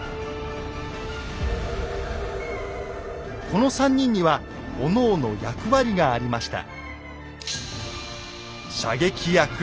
この３人にはおのおの役割がありました。